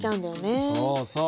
そうそう。